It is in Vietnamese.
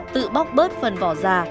tự bóc bớt phần vỏ già